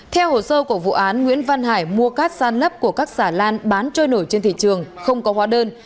theo hồ sơ của vụ án nguyễn văn hải mua cát san lấp của các xà lan bán trôi nổi trên thị trường không có hóa đơn